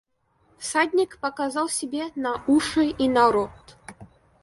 Всадник показал себе на уши и на рот.